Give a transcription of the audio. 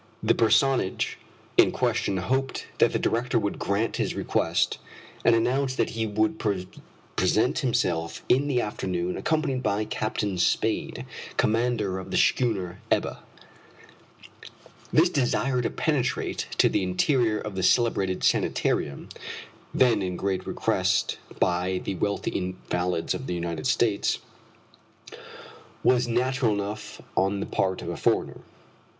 The personage in question hoped that the director would grant his request, and announced that he would present himself in the afternoon, accompanied by Captain Spade, commander of the schooner Ebba. This desire to penetrate to the interior of the celebrated sanitarium, then in great request by the wealthy invalids of the United States, was natural enough on the part of a foreigner.